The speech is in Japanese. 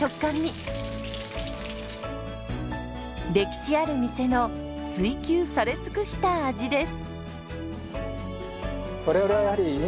歴史ある店の追求され尽くした味です。